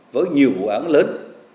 với nhiều vụ án lớn